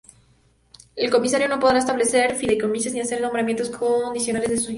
El comisario no podrá establecer fideicomisos ni hacer nombramientos condicionales de sucesor.